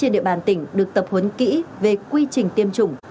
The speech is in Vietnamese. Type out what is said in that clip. trên địa bàn tỉnh được tập huấn kỹ về quy trình tiêm chủng